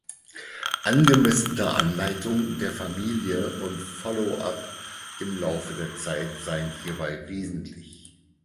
Angemessene Anleitung der Familie und Follow-up im Laufe der Zeit seien hierbei wesentlich.